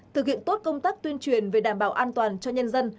thực hiện tốt công tác tuyên truyền về đảm bảo an toàn cho nhân dân